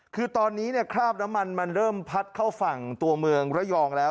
คือตอนนี้คราบน้ำมันมันเริ่มพัดเข้าฝั่งตัวเมืองระยองแล้ว